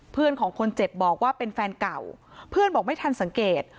เพื่อนของคนเจ็บบอกว่าเป็นแฟนเก่าเพื่อนบอกไม่ทันสังเกต